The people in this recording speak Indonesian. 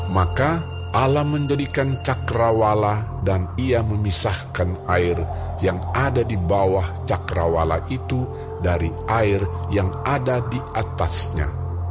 maka alam menjadikan cakrawala dan ia memisahkan air yang ada di bawah cakrawala itu dari air yang ada di atasnya